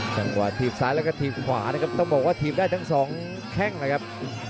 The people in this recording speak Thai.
สำหรับทีมซ้ายและกับทีมขวานะครับต้องบอกว่าทีมได้ทั้ง๒แค้นไหลครับ